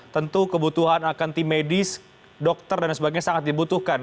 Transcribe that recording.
tentu kebutuhan akan tim medis dokter dan sebagainya sangat dibutuhkan